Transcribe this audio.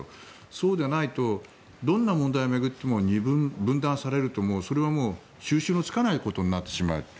そうでないとどんな問題を巡っても分断されると思うしそれはもう収拾のつかないことになってしまう。